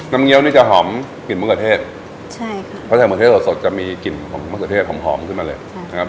เงี้ยวนี่จะหอมกลิ่นมะเขือเทศใช่ค่ะเพราะจากมะเข้สดสดจะมีกลิ่นของมะเขือเทศหอมหอมขึ้นมาเลยนะครับ